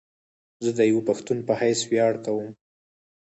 زه ديوه پښتون په حيث وياړ کوم